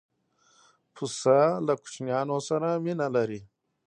پسه له کوچنیانو سره مینه لري.